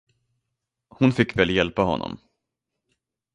Hon fick väl hjälpa honom.